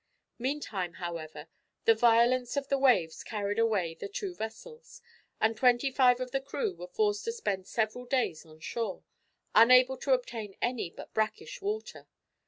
Meantime, however, the violence of the waves carried away the two vessels, and twenty five of the crew were forced to spend several days on shore, unable to obtain any but brackish water.